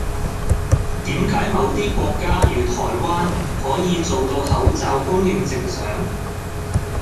點解某啲國家如台灣可以做到口罩供應正常